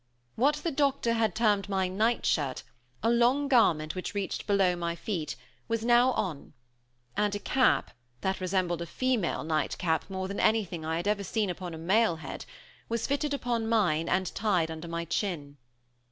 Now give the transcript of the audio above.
What the doctor had termed my night shirt, a long garment which reached below my feet, was now on, and a cap, that resembled a female nightcap more than anything I had ever seen upon a male head, was fitted upon mine, and tied under my chin.